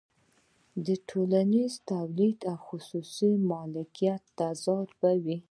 د ټولنیز تولید او خصوصي مالکیت تضاد به وي